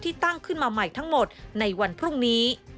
ตั้งขึ้นมาใหม่ทั้งหมดในวันพรุ่งนี้